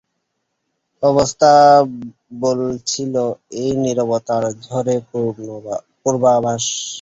অবস্থা বলছিল, এ নীরবতা ঝড়ের পূর্বাভাস।